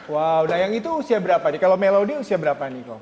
wow nah yang itu usia berapa nih kalau melody usia berapa nih kok